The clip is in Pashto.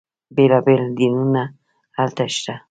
بیلا بیل دینونه هلته شته.